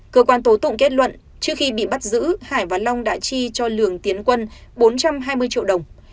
cơ quan tố tụng kết luận trước khi bị bắt giữ hải và long đã chi cho lường tiến quân bốn trăm hai mươi triệu đồng